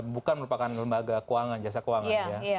bukan merupakan lembaga keuangan jasa keuangan ya